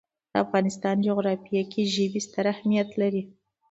د افغانستان جغرافیه کې ژبې ستر اهمیت لري.